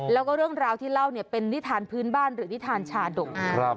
และเรื่องราวที่เล่าเป็นนิษฐานพื้นบ้านและนิษฐานชาดก